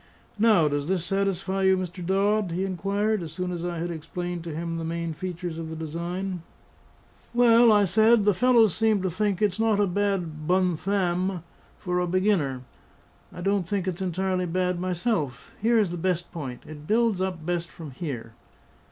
"Now, does this satisfy you, Mr. Dodd?" he inquired, as soon as I had explained to him the main features of the design. "Well," I said, "the fellows seem to think it's not a bad bonne femme for a beginner. I don't think it's entirely bad myself. Here is the best point; it builds up best from here.